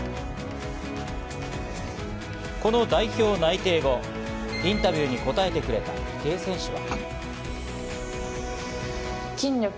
この代表内定後、インタビューに答えてくれた池江選手は。